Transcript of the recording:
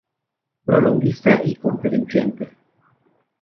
Prologuista y conferenciante.